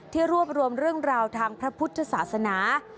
รวบรวมเรื่องราวทางพระพุทธศาสนา